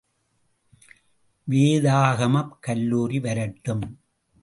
வேதாகமக் கல்லூரி வரட்டும்!